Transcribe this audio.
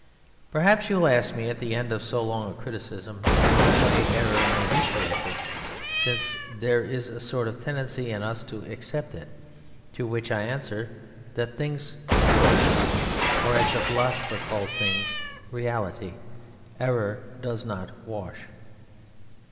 Perhaps you will ask me at the end of so long a criticism in what way error may be corrected, since there is this sort of tendency in us to accept it, to which I answer that things correct it, or as the philosophers call things, "Reality." Error does not wash.